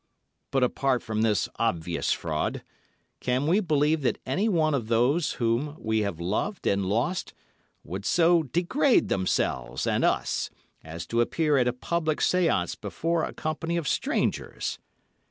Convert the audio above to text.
But apart from this obvious fraud, can we believe that any one of those whom we have loved and lost would so degrade themselves and us as to appear at a public séance before a company of strangers.